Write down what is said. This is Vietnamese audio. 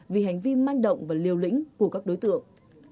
vì hành vi manh động và liều lĩnh của các đối tượng